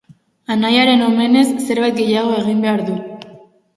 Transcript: Anaiaren omenez zerbait gehiago egin behar du.